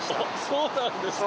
そうなんです。